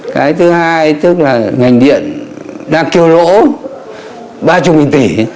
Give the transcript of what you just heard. cái thứ hai tức là ngành điện đang kêu lỗ ba mươi tỷ